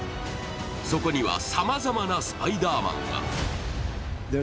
そこにはさまざまなスパイダーマンが。